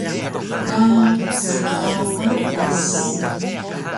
Ga kska patas